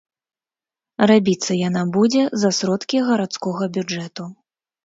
Рабіцца яна будзе за сродкі гарадскога бюджэту.